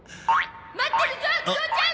待ってるゾ父ちゃん！